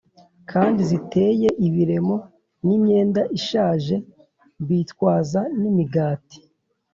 kandi ziteye ibiremo n imyenda ishaje bitwaza n imigati